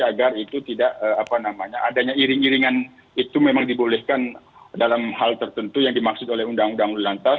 agar itu tidak apa namanya adanya iring iringan itu memang dibolehkan dalam hal tertentu yang dimaksud oleh undang undang lantas